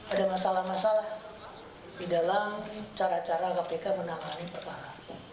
ada masalah masalah di dalam cara cara kpk menangani perkara